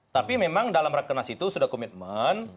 tapi memang dalam rakhir nas itu sudah komitmen